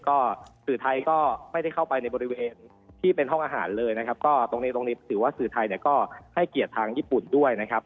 ก็สื่อไทยก็ไม่ได้เข้าไปในบริเวณที่เป็นห้องอาหารเลยนะครับก็ตรงนี้ตรงนี้ถือว่าสื่อไทยเนี่ยก็ให้เกียรติทางญี่ปุ่นด้วยนะครับ